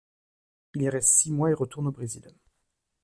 Il y reste six mois et retourne au Brésil.